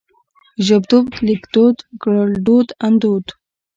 ژبدود ليکدود ګړدود اندود